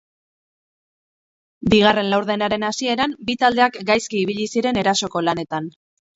Bigarren laurdenaren hasieran bi taldeak gaizki ibili ziren erasoko lanean.